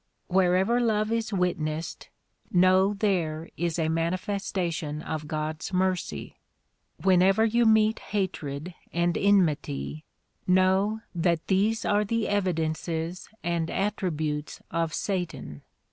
Wherever love is wit nessed, know there is a manifestation of God's mercy; whenever you meet hatred and enmity, know^ that these are the evidences and attributes of satan.